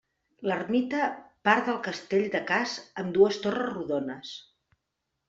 L'ermita part del castell de Cas amb dues torres rodones.